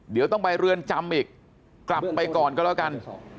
เดี๋ยวต้องไปเรือนจำอีกกลับไปก่อนก็แล้วกัน